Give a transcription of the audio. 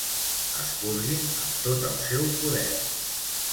Esporguin amb tot el seu poder.